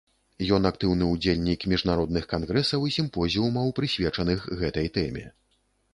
Ён актыўны ўдзельнік міжнародных кангрэсаў і сімпозіумаў, прысвечаных гэтай тэме.